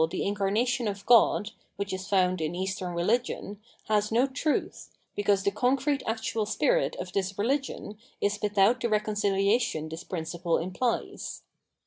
the in carnation of God, which is found in Eastern rehgion, has no truth, because the concrete actual spirit of this re ligion is without the reconciliation this principle imphes.